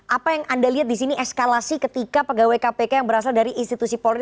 apa yang anda lihat di sini eskalasi ketika pegawai kpk yang berasal dari institusi polri